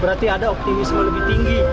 berarti ada optimisme lebih tinggi